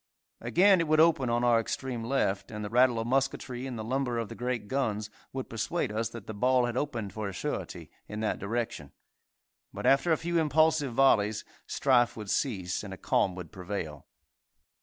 Again it would open on our extreme left, and the rattle of musketry and the lumber of the great guns would persuade us that the ball had opened for a surety in that direction, but, after a few impulsive volleys, strife would cease, and a calm would prevail.